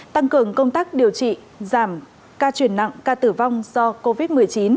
tăng cường công tác điều trị giảm ca truyền nặng ca tử vong do covid một mươi chín